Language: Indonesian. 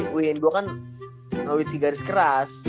gue kan nowitzki garis keras